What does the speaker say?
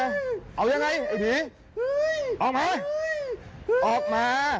เอายังไงไอ้ผีออกมาออกมา